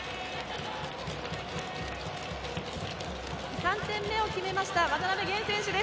３点目を決めました渡辺弦選手です。